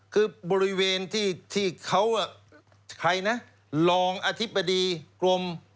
คือบริเวณที่เขาใครนะรองอธิบดีกรม